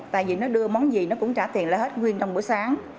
tại vì nó đưa món gì nó cũng trả tiền lại hết nguyên trong buổi sáng